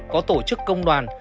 có tổ chức công đoàn